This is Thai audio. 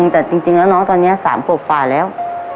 แต่จริงแล้วน้องตอนนี้๓ขวบฝ่าแล้ว